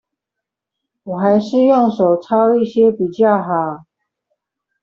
我還是用手抄一些比較好